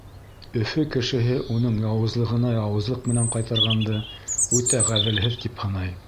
Өфө кешеһе уның яуызлығына яуызлыҡ менән ҡайтарғанды үтә ғәҙелһеҙ тип һанай.